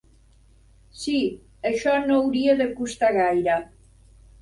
Sí, això no hauria de costar gaire.